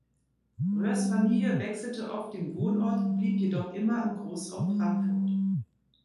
Röhrs Familie wechselte oft den Wohnort, blieb jedoch immer im Großraum Frankfurt.